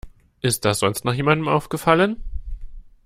Ist das sonst noch jemandem aufgefallen?